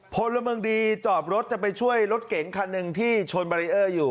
พลเมืองดีจอบรถจะไปช่วยรถเก๋งคันหนึ่งที่ชนบารีเออร์อยู่